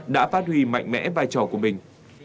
đã phát huy mạnh mẽ vai trò của mình